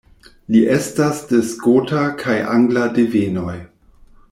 Li estas de skota kaj angla devenoj.